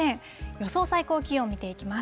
予想最高気温、見ていきます。